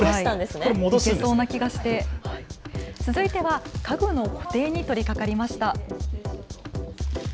続いては家具の固定に取りかかりました。